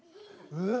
えっ！